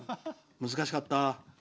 難しかった。